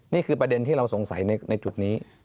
นี่คือประเด็นที่เราสงสัยในจุดนี้